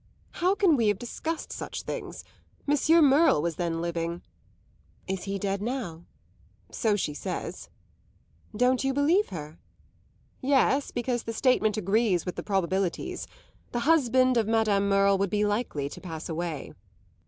"How can we have discussed such things? Monsieur Merle was then living." "Is he dead now?" "So she says." "Don't you believe her?" "Yes, because the statement agrees with the probabilities. The husband of Madame Merle would be likely to pass away."